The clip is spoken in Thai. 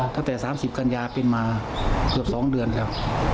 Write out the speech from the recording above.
ตั้งแต่๓๐กันยาเป็นมาเกือบ๒เดือนแล้ว